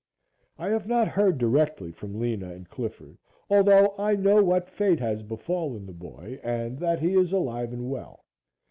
I have not heard directly from Lena and Clifford, although I know what fate has befallen the boy, and that he is alive and well.